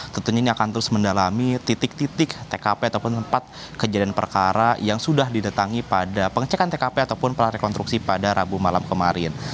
tentunya ini akan terus mendalami titik titik tkp ataupun tempat kejadian perkara yang sudah didatangi pada pengecekan tkp ataupun prarekonstruksi pada rabu malam kemarin